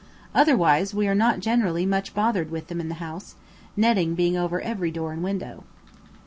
Otherwise, we are not generally much bothered with them in the house, netting being over every door and window.